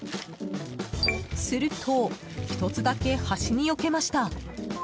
すると、１つだけ端によけました。